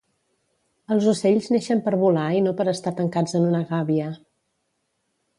Els ocells neixen per volar i no per estar tancats en una gàbia